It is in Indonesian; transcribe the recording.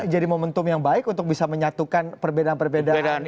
jadi momentum yang baik untuk bisa menyatukan perbedaan perbedaan